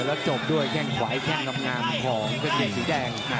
แล้วจบด้วยเกงขวายเกงกับงามของเกงสีแดง